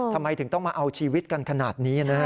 ทำไมถึงต้องมาเอาชีวิตกันขนาดนี้นะฮะ